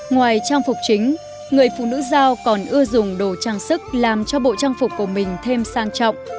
ngoài trang phục chính người phụ nữ giao còn ưa dùng đồ trang sức làm cho bộ trang phục của mình thêm sang trọng